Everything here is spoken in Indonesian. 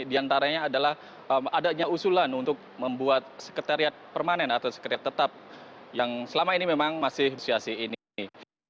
di antaranya adalah adanya usulan untuk membuat sekretariat permanen atau sekretariat tetap yang selama ini memang masih sia si ini ini